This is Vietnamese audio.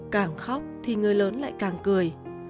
càng khóc thì người lớn lại càng cười